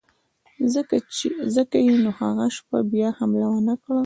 ځکه یې نو هغه شپه بیا حمله ونه کړه.